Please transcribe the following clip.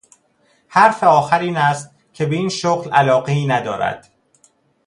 حرف آخر این است که به این شغل علاقهای ندارد.